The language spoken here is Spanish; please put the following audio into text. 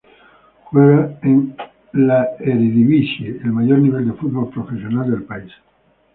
Juega en la Eredivisie, el mayor nivel del fútbol profesional del país.